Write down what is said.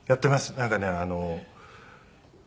なんかねあの。